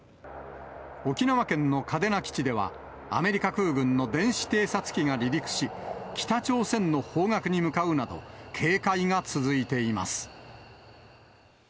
沖縄県の嘉手納基地では、アメリカ空軍の電子偵察機が離陸し、北朝鮮の方角に向かうなど、警戒が続いています。